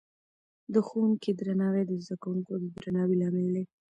د ښوونکې درناوی د زده کوونکو د درناوي لامل دی.